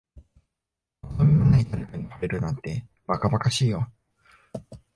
望みのない誰かに惚れるなんて、ばかばかしいよ。